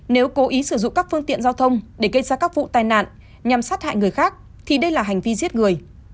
nếu cố ý sử dụng các phương tiện giao thông để gây ra các vụ tai nạn nhằm sát hại người khác thì đây là hành vi giết người